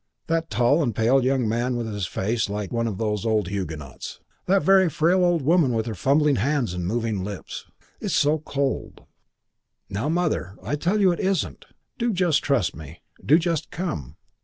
That tall and pale young man, with his face like one of the old Huguenots! That very frail old woman with her fumbling hands and moving lips! "It's so cold." "Now, Mother, I tell you it isn't. Do just trust me. Do just come."